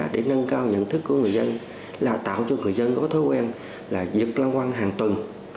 để nâng cao nhận thức của người dân là tạo cho người dân có thói quen là việc lăng quăng hàng tuần